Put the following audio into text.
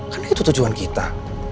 kan itu tujuan kita